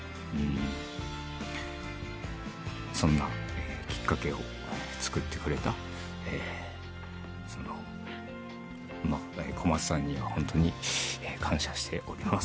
そんなきっかけを作ってくれた小松さんには、本当に感謝しております。